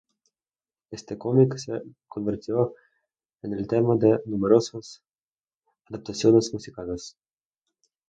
Este cómic se convirtió en el tema de numerosas adaptaciones musicales.